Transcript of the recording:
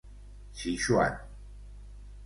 Sichuan.